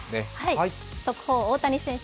速報・大谷選手。